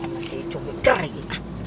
masih cukup kering